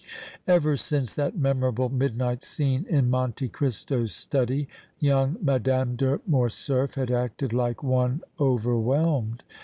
Ever since that memorable midnight scene in Monte Cristo's study young Madame de Morcerf had acted like one overwhelmed.